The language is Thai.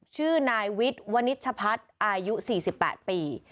ชื่อนายวิทย์วนิชพัฒน์อายุ๔๘ปี